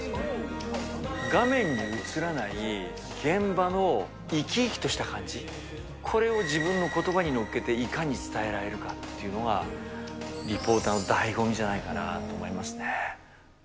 画面に映らない現場の生き生きとした感じ、これを自分のことばに乗っけていかに伝えられるかっていうのが、リポーターのだいご味じゃないかなと思いますね。